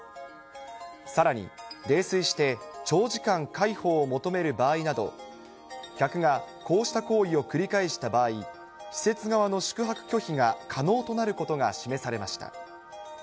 さらに泥酔して長時間介抱を求める場合など、客がこうした行為を繰り返した場合、施設側の宿泊拒否が可能となることが示されました。